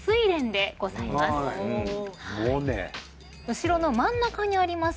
後ろの真ん中にあります